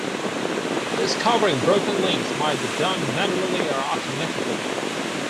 Discovering broken links might be done manually or automatically.